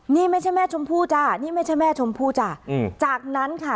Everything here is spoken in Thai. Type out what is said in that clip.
นี่ไม่ใช่แม่ชมพู่จ้ะนี่ไม่ใช่แม่ชมพู่จ้ะอืมจากนั้นค่ะ